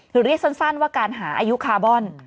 หรือเรียกสั้นว่าการหาอายุคาร์บอน